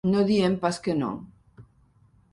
No diem pas que no.